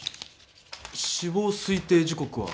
死亡推定時刻は？